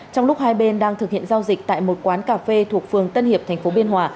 trong lúc hai bên đang thực hiện giao dịch tại một quán cà phê thuộc phường tân hiệp thành phố biên hòa